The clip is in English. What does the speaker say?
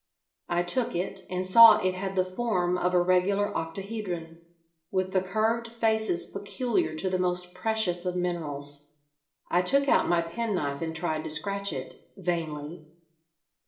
I took it, and saw it had the form of a regular octahedron, with the curved faces peculiar to the most precious of minerals. I took out my penknife and tried to scratch it—vainly.